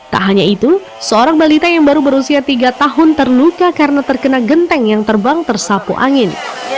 tak hanya itu seorang balita yang baru berusia tiga tahun terluka karena terkena genteng yang terbang tersapu angin